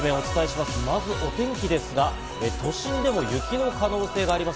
まずはお天気ですが、都心でも雪の可能性があります。